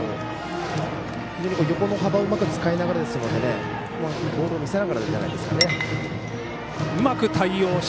横の幅をうまく使いながらですのでボールを見せながらじゃないですかね。